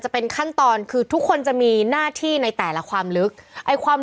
จะเป็นขั้นตอนคือทุกคนจะมีหน้าที่ในแต่ละความลึกไอ้ความ